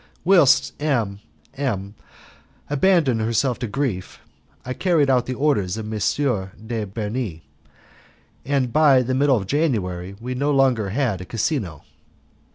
Whilst M M abandoned herself to grief I carried out the orders of M. de Bernis, and by the middle of January we had no longer a casino.